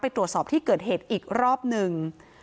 ตรวจสอบที่เกิดเหตุอีกรอบหนึ่ง